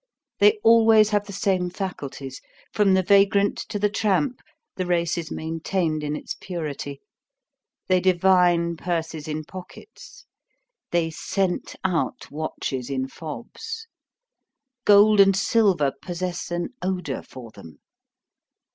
They always have the same faculties. From the vagrant to the tramp, the race is maintained in its purity. They divine purses in pockets, they scent out watches in fobs. Gold and silver possess an odor for them.